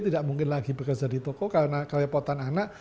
tidak mungkin lagi bekerja di toko karena kelepotan anak